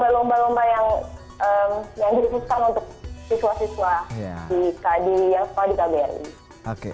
lomba lomba yang di revistkan untuk siswa siswa di kbri